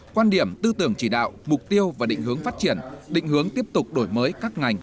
quan điểm tư tưởng chỉ đạo mục tiêu và định hướng phát triển định hướng tiếp tục đổi mới các ngành